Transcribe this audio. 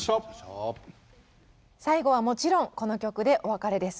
最後はもちろんこの曲でお別れです。